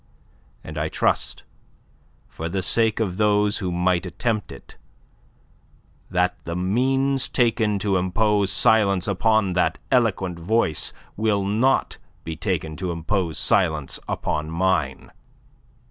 And I trust, for the sake of those who might attempt it, that the means taken to impose silence upon that eloquent voice will not be taken to impose silence upon mine."